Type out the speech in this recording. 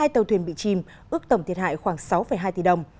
hai tàu thuyền bị chìm ước tổng thiệt hại khoảng sáu hai tỷ đồng